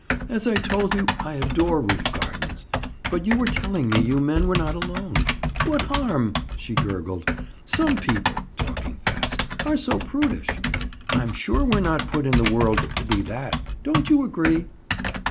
"As I told you, I adore roof gardens. But you were telling me you men were not alone. What harm!" she gurgled. "Some people," talking fast, "are so prudish. I'm sure we're not put in the world to be that. Don't you agree?"